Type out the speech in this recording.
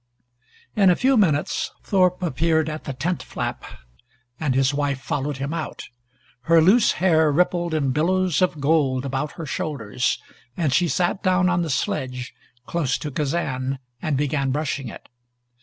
In a few minutes Thorpe appeared at the tent flap and his wife followed him out. Her loose hair rippled in billows of gold about her shoulders and she sat down on the sledge, close to Kazan, and began brushing it.